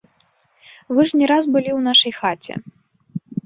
Вы ж не раз былі ў нашай хаце.